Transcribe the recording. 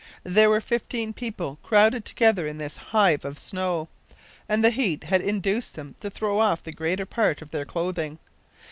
There were fifteen people crowded together in this hive of snow, and the heat had induced them to throw off the greater part of their clothing.